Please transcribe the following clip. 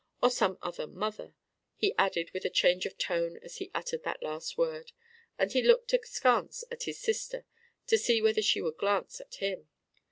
Or some other mother," he added with a change of tone as he uttered that last word; and he looked askance at his sister to see whether she would glance at him.